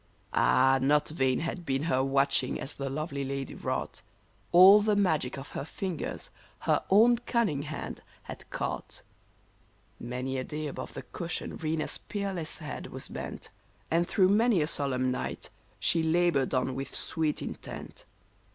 Ah ! not vain had been her watching as the lovely lady wrought ; All the magic of her fingers her own cunning hand had caught ! Many a day above the cushion Rena's peerless head was bent, And through many a solemn night she labored on with sweet intent.